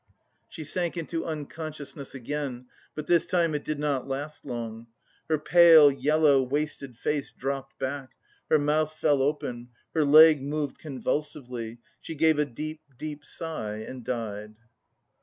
She sank into unconsciousness again, but this time it did not last long. Her pale, yellow, wasted face dropped back, her mouth fell open, her leg moved convulsively, she gave a deep, deep sigh and died.